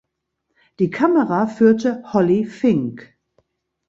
Die Kamera führte Holly Fink.